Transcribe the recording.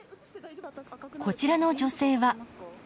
こちらの女性は。